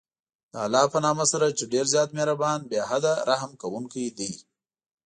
د الله په نامه سره چې ډېر زیات مهربان، بې حده رحم كوونكى دی.